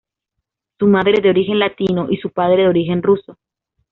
Su madre de origen latino y su padre de origen ruso.